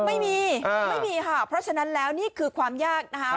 ไม่มีไม่มีค่ะเพราะฉะนั้นแล้วนี่คือความยากนะคะ